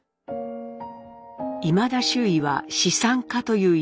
いまだ周囲は「資産家」というイメージ。